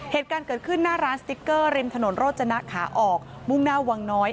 เหตุการณ์เกิดขึ้นหน้าร้านสติ๊กเกอร์ริมถนนโรจนะขาออกมุ่งหน้าวังน้อย